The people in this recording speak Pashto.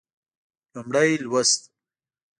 لومړی لوست